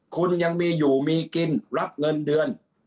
คุณยังมีอยู่มีกินรับเงินเดือน